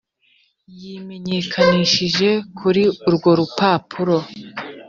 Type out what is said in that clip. yimenyekanishije kuri urwo rupapuro .